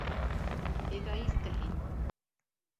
Эгоистка һин!